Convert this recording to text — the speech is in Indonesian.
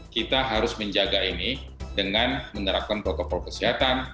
kita harus menjaga ini dengan menerapkan protokol kesehatan